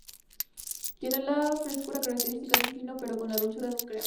Tiene la frescura característica de un Fino pero con la dulzura de un Cream.